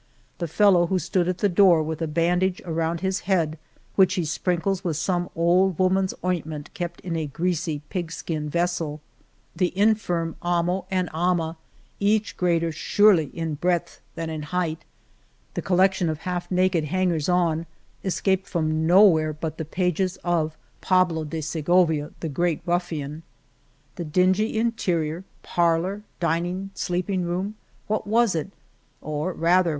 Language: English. The fellow who stood at the door with a bandage around his head which he sprinkles with some old woman's ointment kept in a greasy pig skin vessel, the infirm 149 In Toboso, El Toboso amo and amay each greater, surely, in breadth than in height ; the collection of half naked hangers on escaped from nowhere but the pages of Pablo de Segovia, The Great Ruf fian." The dingy interior — parlor, dining, sleeping room. What was it? or, rather.